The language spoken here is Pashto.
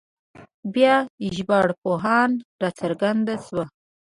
بیا ژبارواپوهنه راڅرګنده شوه